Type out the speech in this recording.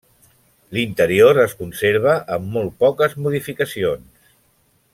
L’interior es conserva amb molt poques modificacions.